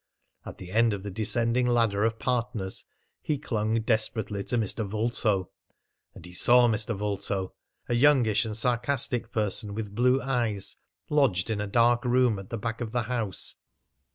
At the end of the descending ladder of partners he clung desperately to Mr. Vulto, and he saw Mr. Vulto a youngish and sarcastic person with blue eyes, lodged in a dark room at the back of the house.